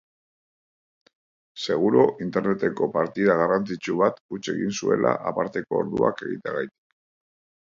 Seguru Interneteko partida garrantzitsu bat huts egin zuela aparteko orduak egiteagatik.